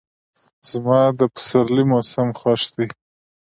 زما د سپرلي موسم خوښ دی.